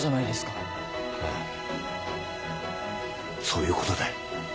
そういうことだよ。